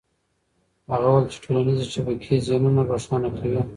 هغه وویل چې ټولنيزې شبکې ذهنونه روښانه کوي.